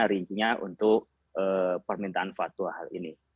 itu adalah intinya untuk permintaan fatwa hal ini